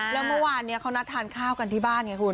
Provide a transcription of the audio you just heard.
และเมื่อวานเนี่ยเขานัดทานข้าวกันที่บ้าน